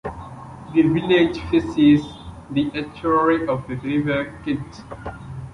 The village faces the estuary of the River Kent.